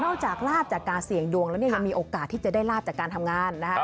จากลาบจากการเสี่ยงดวงแล้วเนี่ยยังมีโอกาสที่จะได้ลาบจากการทำงานนะครับ